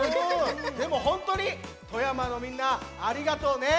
でもほんとうに富山のみんなありがとうね。